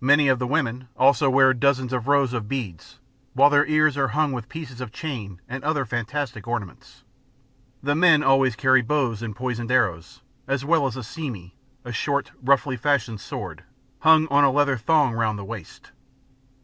Many of the women also wear dozens of rows of beads, while their ears are hung with pieces of chain and other fantastic ornaments. The men always carry bows and poisoned arrows, as well as a seemie (a short, roughly fashioned sword) hung on a leathern thong round the waist.